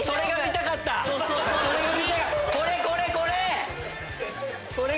これこれこれ！